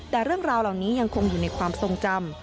แต่เรื่องราวเหล่านี้ยังคงอยู่ในความทรงจำ